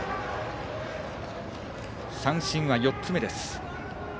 三振は４つ目です。